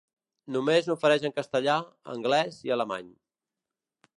Només n’ofereix en castellà, anglès i alemany.